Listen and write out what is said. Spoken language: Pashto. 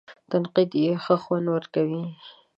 تنقید یې ښه خوند ورکوي.